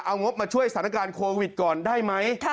เอางบมาช่วยสถานการณ์โควิดก่อนได้ไหม